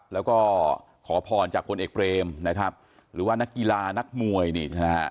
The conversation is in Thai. แล้วก็ขอพรจากพลเอกเบรมนะครับหรือว่านักกีฬานักมวยนี่ใช่ไหมฮะ